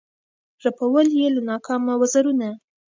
رپول یې له ناکامه وزرونه